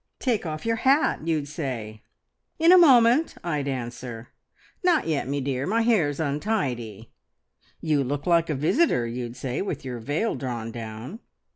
`Take off your hat,' you'd say. `In a moment,' I'd answer. `Not yet, me dear, my hair's untidy.' `You look like a visitor,' you'd say, `with your veil drawn down.'